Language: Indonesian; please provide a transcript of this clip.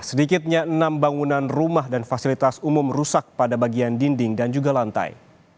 sedikitnya enam bangunan rumah dan fasilitas umum rusak pada bagian dinding dan juga lantai